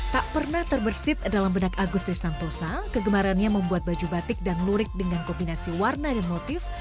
tak pernah terbersih dalam benak agusti santosa kegemarannya membuat baju batik dan lurik dengan kombinasi warna dan motif